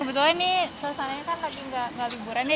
kebetulan ini selesainya kan lagi enggak liburan ya